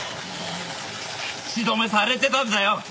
口止めされてたんだよ！